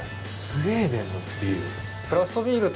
スウェーデンのビール？